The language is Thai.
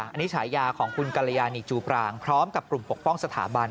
อันนี้ฉายาของคุณกรยานีจูปรางพร้อมกับกลุ่มปกป้องสถาบัน